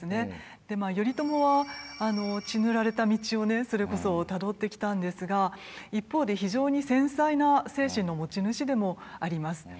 頼朝は血塗られた道をそれこそたどってきたんですが一方で非常に繊細な精神の持ち主でもあります。